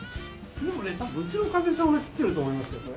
でもね多分うちのかみさんは知ってると思いますよこれ。